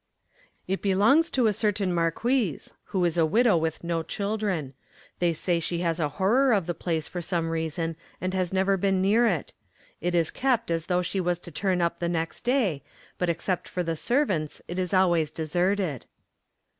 "It belongs to a certain marquise, who is a widow with no children. They say she has a horror of the place for some reason and has never been near it. It is kept as though she was to turn up the next day, but except for the servants it is always deserted."